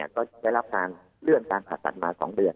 ก็ได้รับการเลื่อนการผ่าตัดมา๒เดือน